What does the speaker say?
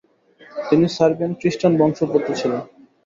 তিনি সার্বিয়ান খ্রিস্টান বংশোদ্ভূত ছিলেন।